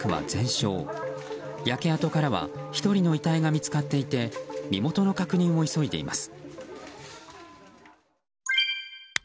焼け跡からは１人の遺体が見つかっていて身元の確認を急いでいます。